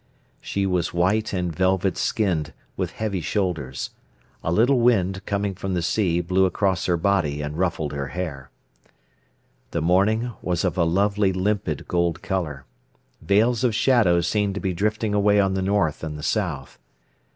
She was white and velvet skinned, with heavy shoulders. A little wind, coming from the sea, blew across her body and ruffled her hair. The morning was of a lovely limpid gold colour. Veils of shadow seemed to be drifting away on the north and the south.